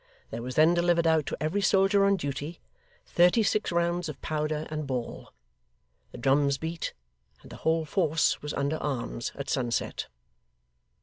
There was then delivered out to every soldier on duty, thirty six rounds of powder and ball; the drums beat; and the whole force was under arms at sunset.